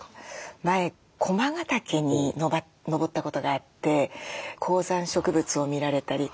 前駒ヶ岳に登ったことがあって高山植物を見られたり。